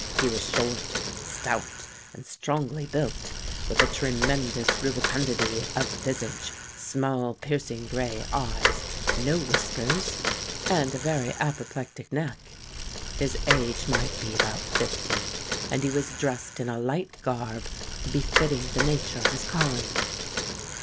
He was short, stout, and strongly built, with a tremendous rubicundity of visage, small piercing grey eyes, no whiskers, and a very apoplectic neck. His age might be about fifty; and he was dressed in a light garb befitting the nature of his calling.